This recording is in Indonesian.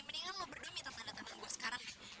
mendingan lo berdua minta tanda tanda gue sekarang nih